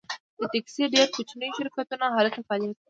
د ټکسي ډیر کوچني شرکتونه هلته فعالیت کوي